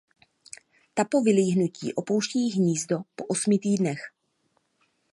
Ta po vylíhnutí opouštějí hnízdo po osmi týdnech.